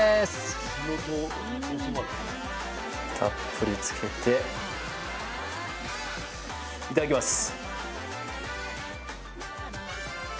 たっぷりつけていただきます。